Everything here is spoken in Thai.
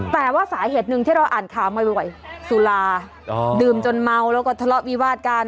แต่ว่าสาเหตุหนึ่งที่เราอ่านข่าวบ่อยสุราดื่มจนเมาแล้วก็ทะเลาะวิวาดกัน